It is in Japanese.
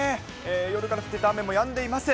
夜から降ってた雨もやんでいます。